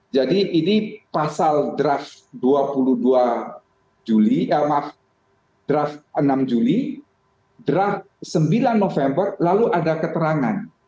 jadi ini pasal draft enam juli draft sembilan november lalu ada keterangan